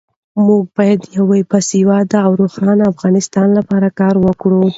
موږ باید د یو باسواده او روښانه افغانستان لپاره کار وکړو.